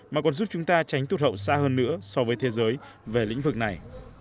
mà còn giúp chúng ta tránh tụt hậu xa hơn nữa so với thế giới về lĩnh vực này